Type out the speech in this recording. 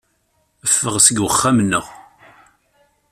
Ffeɣ seg wexxam-nneɣ.